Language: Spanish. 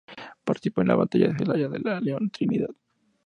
Participó en la Batalla de Celaya, la de León y Trinidad.